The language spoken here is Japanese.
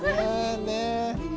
ねえ！